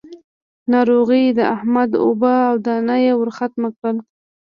ناروغي د احمد اوبه او دانه يې ورختم کړل.